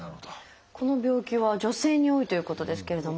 この病気は女性に多いということですけれども。